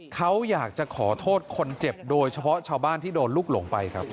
เขาอยากจะขอโทษคนเจ็บโดยเฉพาะชาวบ้านที่โดนลูกหลงไปครับ